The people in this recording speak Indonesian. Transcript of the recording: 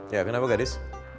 ya kenapa gadis